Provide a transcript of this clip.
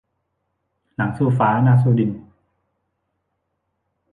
หลังสู้ฟ้า หน้าสู้ดิน